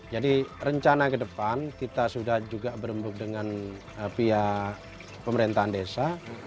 jadi rencana kedepan kita sudah juga berembuk dengan pihak pemerintahan desa